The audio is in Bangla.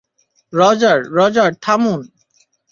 রজার, রজার, থামুন!